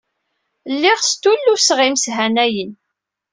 Lliɣ stulluseɣ imeshanayen.